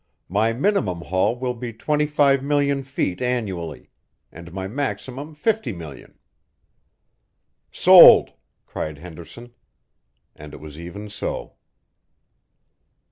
My minimum haul will be twenty five million feet annually, and my maximum fifty million " "Sold!" cried Henderson. And it was even so.